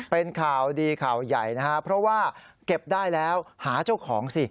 เป็นข่าวดีข่าวใหญ่นะครับเพราะว่าเก็บได้แล้วหาเจ้าของสิ